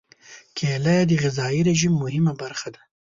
کېله د غذايي رژیم مهمه برخه ده.